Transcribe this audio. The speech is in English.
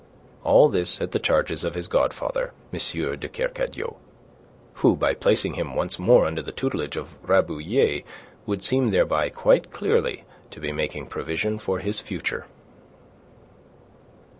All this at the charges of his godfather, M. de Kercadiou, who by placing him once more under the tutelage of Rabouillet would seem thereby quite clearly to be making provision for his future.